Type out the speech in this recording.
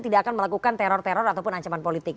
tidak akan melakukan teror teror ataupun ancaman politik